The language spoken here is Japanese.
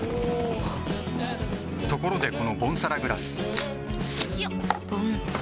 おおっところでこのボンサラグラス